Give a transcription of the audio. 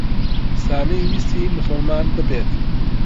سامی ویستی موسڵمان ببێت.